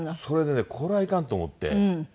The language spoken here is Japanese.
それでねこれはいかんと思って。